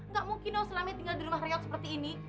gak mungkin dong selama tinggal di rumah riok seperti ini